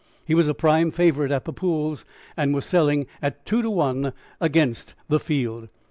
He was a prime favorite at the pools and was selling at two to one against the field.